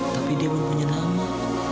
tapi dia mempunyai nama